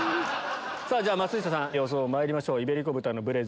松下さん予想まいりましょう。